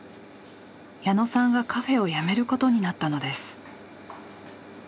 矢野さんがカフェを辞めることになったのです。